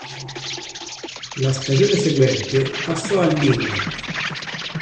La stagione seguente, passò al Lyn.